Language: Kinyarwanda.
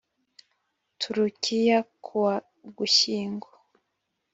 turukiya ku wa ugushyingo